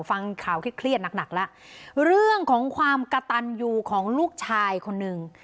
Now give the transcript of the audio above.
ฟังข่าวเครียดหนักหนักแล้วเรื่องของความกระตันอยู่ของลูกชายคนหนึ่ง